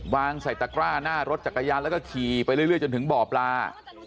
วางใส่ตะกร้าหน้ารถจักรยานแล้วก็ขี่ไปเรื่อยจนถึงบ่อปลา